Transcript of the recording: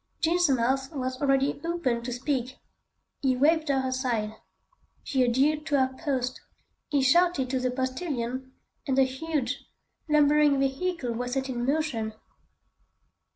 Jean's mouth was already open to speak. He waved her aside. She adhered to her post. He shouted to the postilion, and the huge, lumbering vehicle was set in motion.